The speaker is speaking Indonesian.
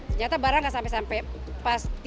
ternyata barang nggak sampai sampai